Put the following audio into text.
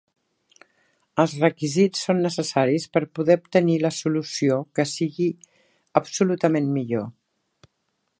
Els requisits són necessaris per poder obtenir la solució que sigui absolutament millor.